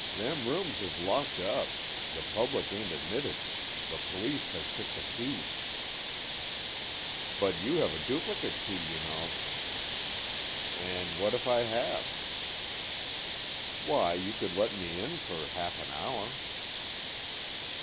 "Them rooms is locked up. The public ain't admitted. The police has took the key." "But you have a duplicate key, you know." "And what if I have?" "Why, you could let me in for half an hour."